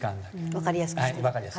わかりやすくしてる。